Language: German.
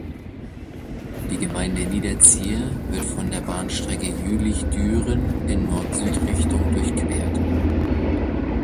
Die Gemeinde Niederzier wird von der Bahnstrecke Jülich–Düren in Nord-Süd-Richtung durchquert.